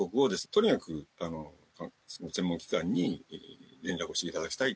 とにかく専門機関に連絡していただきたい。